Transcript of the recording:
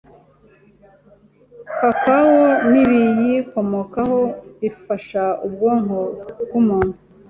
Kakawo n’ibiyikomokaho bifasha ubwonko bw’umuntu